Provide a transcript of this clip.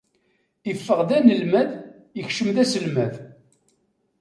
Iffeɣ d anelmad, ikcem d aselmad.